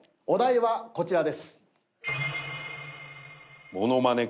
お題はこちらです。